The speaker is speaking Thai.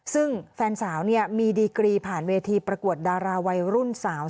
ซึ่งแฟนสาวมีดีกรีผ่านเวทีประกวดดาราวัยรุ่นสาว